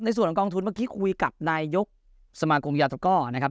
ในส่วนของกองทุนเมื่อกี้คุยกับนายยกสมากรมยาตรก้อนะครับ